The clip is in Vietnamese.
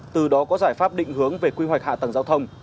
từ đó có giải pháp định hướng về quy hoạch hạ tầng giao thông